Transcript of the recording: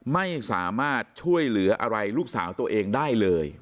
ไม่สามารถช่วยเหลืออะไรลูกสาวตัวเองได้เลย